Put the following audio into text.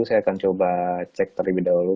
saya akan coba cek terlebih dahulu